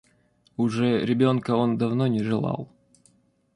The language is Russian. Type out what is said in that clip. Уже ребенка он давно не желал.